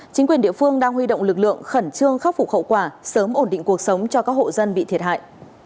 phúc phục khẩu quả sớm ổn định cuộc sống cho các hộ dân bị thiệt hại